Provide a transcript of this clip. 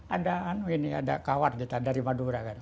anda kawar kita dari madura